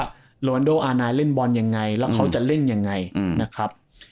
โรนโดอานายเล่นบอลยังไงแล้วเขาจะเล่นยังไงนะครับ